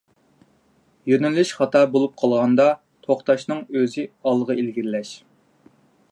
يۆنىلىش خاتا بولۇپ قالغاندا، توختاشنىڭ ئۆزى ئالغا ئىلگىرىلەش.